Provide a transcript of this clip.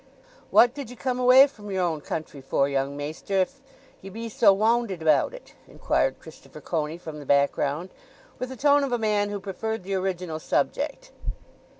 "What did ye come away from yer own country for, young maister, if ye be so wownded about it?" inquired Christopher Coney, from the background, with the tone of a man who preferred the original subject.